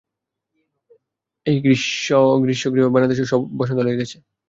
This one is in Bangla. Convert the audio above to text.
এই গ্রীষ্মগৃহ বানাতে সব বসন্ত লেগে গেছে।